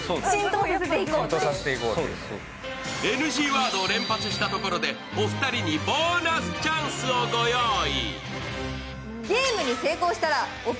ＮＧワードを連発したところでお二人にボーナスチャンスをご用意。